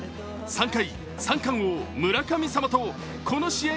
３回、三冠王・村神様とこの試合